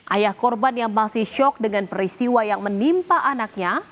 ayah korban yang masih syok dengan peristiwa yang menimpa anaknya